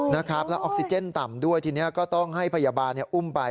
นะครับแล้วออกซิเจนต่ำด้วยทีนี้ก็ต้องให้พยาบาลอุ้มไป